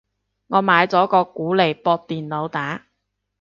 我買咗個鼓嚟駁電腦打